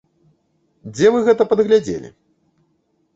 Дзе вы гэта падглядзелі?